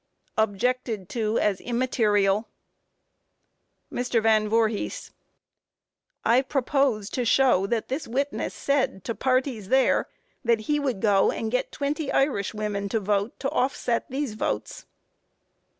Objected to as immaterial. MR. VAN VOORHIS: I propose to show that this witness said to parties there that he would go and get twenty Irish women to vote, to offset these votes.